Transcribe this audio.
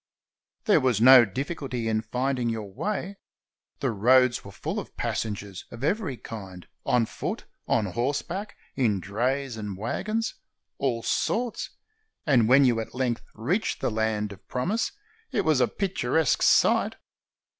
There was no difficulty in finding your way. The roads were full of passengers of every kind, on foot, on horseback, in drays and wagons — all sorts. And when you at length reached the land of promise, it was a pic turesque sight.